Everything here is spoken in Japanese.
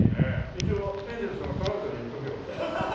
一応エンゼルスのトラウトに言っておくよ。